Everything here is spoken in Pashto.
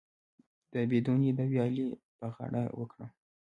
د بید ونې د ویالې په غاړه وکرم؟